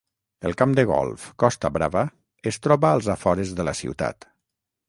El camp de golf Costa Brava es troba als afores de la ciutat.